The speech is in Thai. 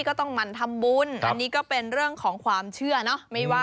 ก็ต้องหมั่นทำบุญอันนี้ก็เป็นเรื่องของความเชื่อเนอะ